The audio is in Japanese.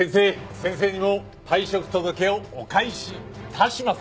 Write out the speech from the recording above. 先生にも退職届をお返し致します。